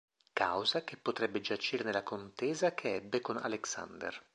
Causa che potrebbe giacere nella contesa che ebbe con Alexander.